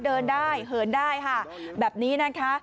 เดินได้เหินได้ค่ะแบบนี้นะคะ